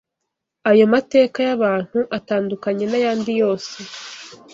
Ayo mateka y’abantu atandukanye n’ayandi yose